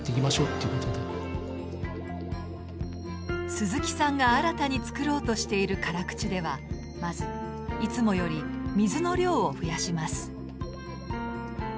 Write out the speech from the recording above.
鈴木さんが新たに造ろうとしている辛口ではまずいつもより水の量を増やします。